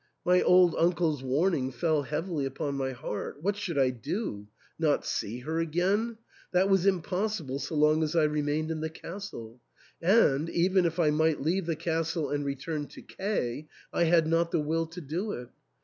My old uncle's warning fell heavily upon my heart. What should I do ? Not see her again ? That was im possible so long as I remained in the castle ; and even if I might leave the castle and return to K , I had not the will to do it.